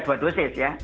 dua dosis ya